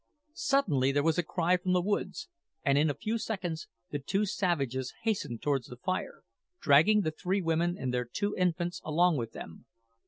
Suddenly there arose a cry from the woods, and in a few seconds the two savages hastened towards the fire, dragging the three women and their two infants along with them.